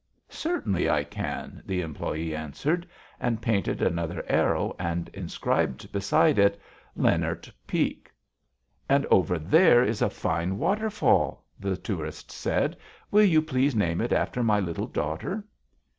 "Certainly I can," the employee answered; and painted another arrow and inscribed beside it: "Lehnert Peak." "And over there is a fine waterfall," the tourist said. "Will you please name it after my little daughter?"